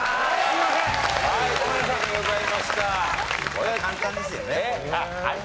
はい。